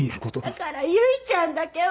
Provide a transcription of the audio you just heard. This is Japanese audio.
だから唯ちゃんだけは！